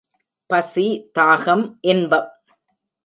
பசி, தாகம், இன்பம்.